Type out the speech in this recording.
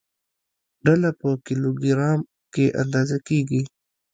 ډله په کیلوګرام کې اندازه کېږي.